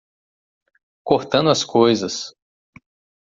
Cortando as coisas